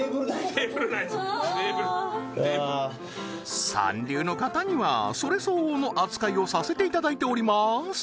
テーブルうわー三流の方にはそれ相応の扱いをさせていただいておりまーす